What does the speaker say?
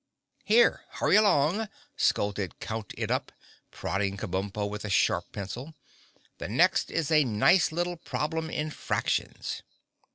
"Here! Hurry along!" scolded Count It Up, prodding Kabumpo with a sharp pencil. "The next is a nice little problem in fractions."